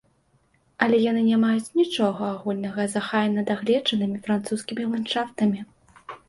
Але яны не маюць нічога агульнага з ахайна-дагледжанымі французскімі ландшафтамі.